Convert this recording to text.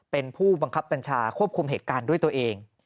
เป็นผู้บังคับบัญชาควบคุมเหตุการณ์ด้วยตัวเอง